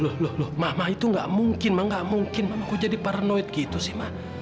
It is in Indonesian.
loh loh loh mama itu gak mungkin ma gak mungkin mama kok jadi paranoid gitu sih ma